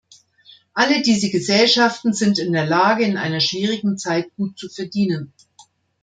Alle diese Gesellschaften sind in der Lage, in einer schwierigen Zeit gut zu verdienen.